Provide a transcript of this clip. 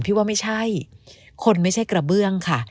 ว่าไม่ใช่คนไม่ใช่กระเบื้องค่ะ